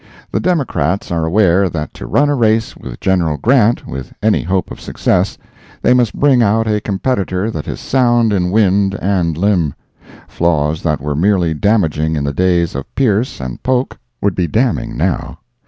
The Democrats are aware that to run a race with General Grant, with any hope of success, they must bring out a competitor that is sound in wind and limb; flaws that were merely damaging in the days of Pierce and Polk would be damning now.